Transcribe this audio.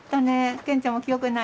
健ちゃんも記憶ない？